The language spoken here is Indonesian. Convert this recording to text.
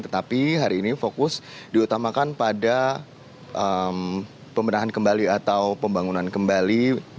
tetapi hari ini fokus diutamakan pada pembenahan kembali atau pembangunan kembali